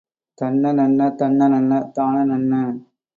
தன்னநன்ன தன்னநன்ன தானநன்ன!.